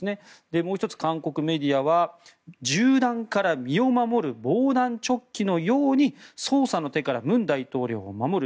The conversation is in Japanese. もう１つ、韓国メディアは銃弾から身を守る防弾チョッキのように捜査の手から文大統領を守る